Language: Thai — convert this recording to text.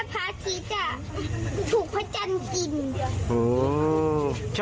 พระอาทิตย์จะถูกพระจันทร์กิน